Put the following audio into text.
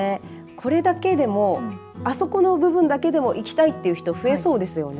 これだけでもあそこの部分だけでも行きたいという人増えそうですね。